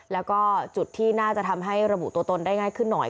แล้วก็จุดที่น่าจะทำให้ระบุตัวตนได้ง่ายขึ้นหน่อย